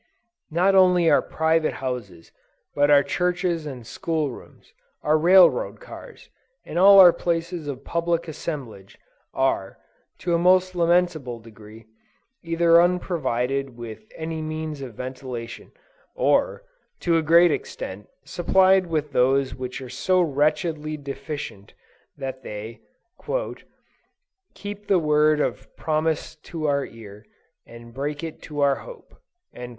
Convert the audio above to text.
Not only our private houses, but our churches and school rooms, our railroad cars, and all our places of public assemblage, are, to a most lamentable degree, either unprovided with any means of ventilation, or, to a great extent, supplied with those which are so wretchedly deficient that they "Keep the word of promise to our ear, And break it to our hope."